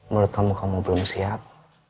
menurut kamu kamu belum siap